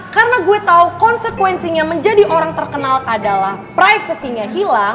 karena gue tau konsekuensinya menjadi orang terkenal adalah privacy nya hilang